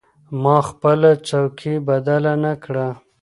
ما خپله څوکۍ بدله نه کړه.